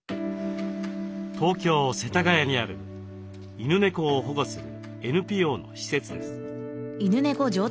東京・世田谷にある犬猫を保護するＮＰＯの施設です。